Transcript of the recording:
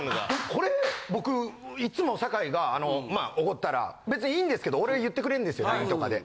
これ僕いつも酒井が奢ったら別にいいんですけどお礼言ってくれるんですよＬＩＮＥとかで。